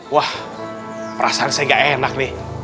wah perasaan saya gak enak nih